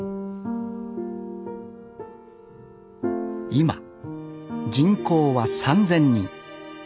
今人口は３，０００人。